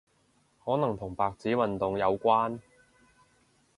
可能同白紙運動有關